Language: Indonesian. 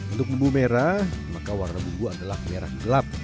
untuk bumbu merah maka warna bumbu adalah merah gelap